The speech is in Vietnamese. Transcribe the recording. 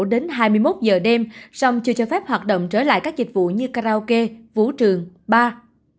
đến hai mươi một giờ đêm song chưa cho phép hoạt động trở lại các dịch vụ như karaoke vũ trường ba